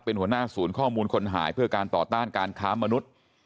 เป็นหัวหน้าศูนย์ข้อมูลคนหายเพื่อการต่อต้านการค้ามนุษย์